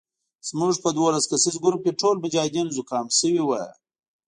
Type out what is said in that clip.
زموږ په دولس کسیز ګروپ کې ټول مجاهدین زکام شوي وو.